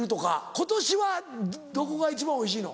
今年はどこが一番おいしいの？